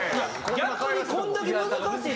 逆にこれだけ難しい。